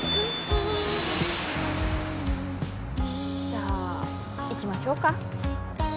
じゃあ行きましょうか。